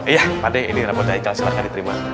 iya pak de ini rapotnya haikal silahkan diterima